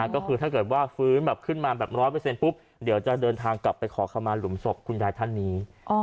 ก็คือถ้าเกิดว่าฟื้นแบบขึ้นมาแบบ๑๐๐ปุ๊บเดี๋ยวจะเดินทางกลับไปขอขมาหลุมศพคุณยายท่านนี้